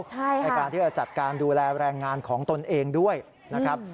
ในการที่จะจัดการดูแลแรงงานของตนเองด้วยนะครับ